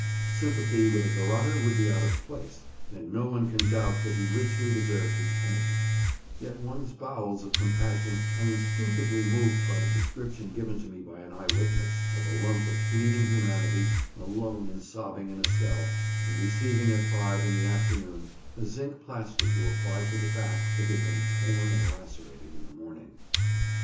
Sympathy with a garrotter would be out of place, and no one can doubt that he richly deserved his punishment; yet one's bowels of compassion are instinctively moved by the description given to me by an eye witness, of a lump of bleeding humanity alone and sobbing in a cell, and receiving at five in the afternoon a zinc plaster to apply to the back that had been torn and lacerated in the morning.